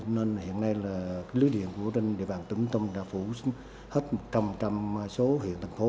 nên hiện nay lưới điện của địa bàn tỉnh con tum đã phủ hết một trăm linh trăm số huyện thành phố